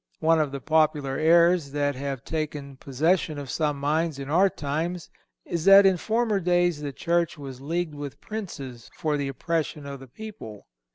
One of the popular errors that have taken possession of some minds in our times is that in former days the Church was leagued with princes for the oppression of the people.